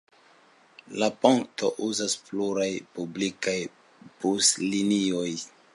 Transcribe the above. La ponton uzas pluraj publikaj buslinioj.